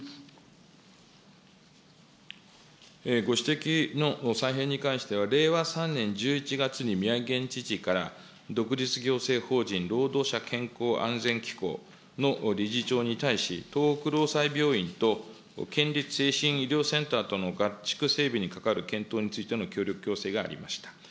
ご指摘の再編に関しては、令和３年１１月に宮城県知事から、独立行政法人労働者健康安全機構の理事長に対し、東北労災病院と県立精神医療センターとの合築整備にかかる検討についての協力要請がありました。